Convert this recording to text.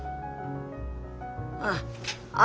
ああ。